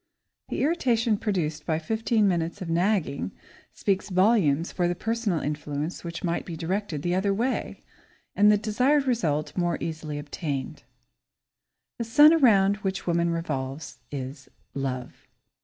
The irritation produced by fifteen minutes of nagging speaks volumes for the personal influence which might be directed the other way, and the desired result more easily obtained. [Sidenote: Diversions] The sun around which woman revolves is Love.